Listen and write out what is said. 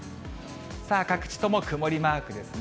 各地とも曇りマークですね。